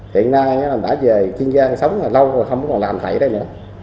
hiện nay đã về chiên giang sống là lâu rồi không còn làm thầy đây nữa